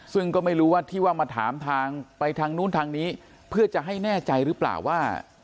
ซึ่งก็ไม่รู้ว่าที่ว่ามาถามทางไปทางนู้นทางนี้เพื่อจะให้แน่ใจหรือเปล่าว่า